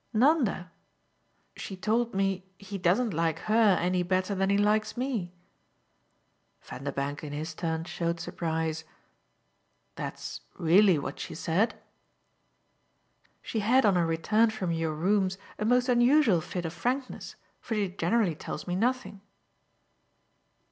"Nanda? She told me he doesn't like her any better than he likes me." Vanderbank in his turn showed surprise. "That's really what she said?" "She had on her return from your rooms a most unusual fit of frankness, for she generally tells me nothing."